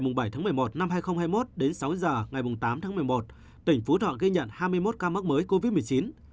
từ một mươi tám h ngày bảy một mươi một hai nghìn hai mươi một đến sáu h ngày tám một mươi một tỉnh phú thọ ghi nhận hai mươi một ca mắc mới covid một mươi chín